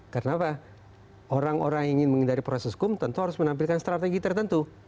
karena orang orang yang ingin menghindari proses hukum tentu harus menampilkan strategi tertentu